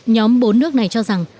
nhóm bốn nước này đã đánh giá là quá cao